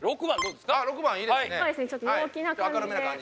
６番いいですね。